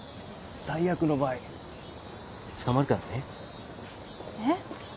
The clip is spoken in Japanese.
最悪の場合捕まるからねえっ？